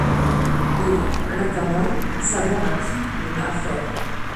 Et, en attendant, savoir à qui l’on a affaire.